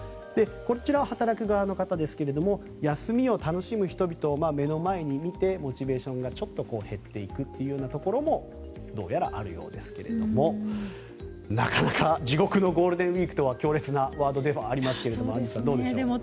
こちらは働く側の方ですが休みを楽しむ人々を目の前に見てモチベーションがちょっと減っていくというところもどうやらあるようですけれどもなかなか「地獄のＧＷ」とは強烈なワードではありますがアンジュさん、どうでしょう。